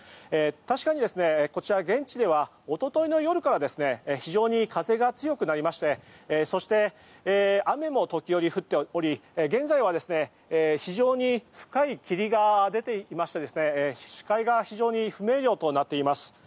確かに現地では一昨日の夜から非常に風が強くなりましてそして、雨も時折降っており現在は非常に深い霧が出ていまして視界が非常に不明瞭となっています。